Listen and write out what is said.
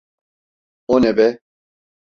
O ne be?